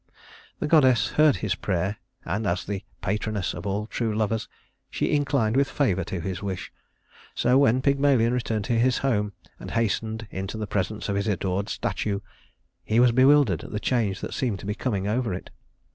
The goddess heard his prayer, and as the patroness of all true lovers, she inclined with favor to his wish; so when Pygmalion returned to his home and hastened into the presence of his adored statue, he was bewildered at the change that seemed to be coming over it.